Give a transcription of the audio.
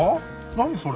何それ。